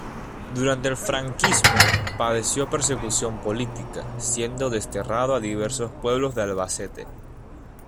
Durante el franquismo padeció persecución política, siendo desterrado a diversos pueblos de Albacete.